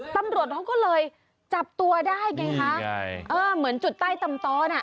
ตำรวจเขาก็เลยจับตัวได้เหมือนจุดใต้ตำตอน